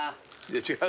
違う。